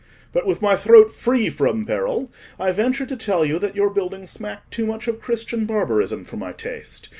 But with my throat free from peril, I venture to tell you that your buildings smack too much of Christian barbarism for my taste.